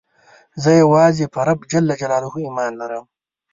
زه یوازي په رب ﷻ ایمان لرم.